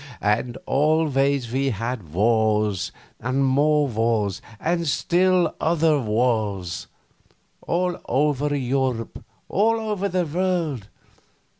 And always we had wars, and more wars, and still other wars all over Europe, all over the world.